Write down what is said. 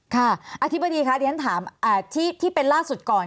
ค่ะอธิบดีครับอย่างนั้นถามที่เป็นล่าสุดก่อน